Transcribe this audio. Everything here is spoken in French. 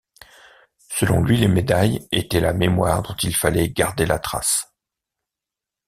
Selon lui, les médailles étaient la mémoire dont il fallait garder la trace.